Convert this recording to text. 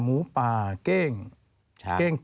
หมูป่าเก้ง